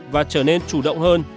và trở nên chủ động hơn